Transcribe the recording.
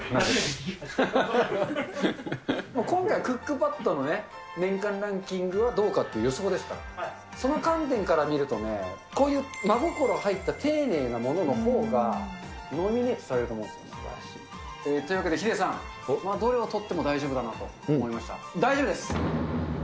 今回、クックパッドの年間ランキングはどうかっていう予測ですから、その観点から見ると、こういう真心入った丁寧なもののほうが、ノミネートされるかも。というわけで、ヒデさん、どれを取っても大丈夫だなと思いました。